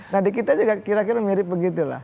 nah di kita juga kira kira mirip begitu lah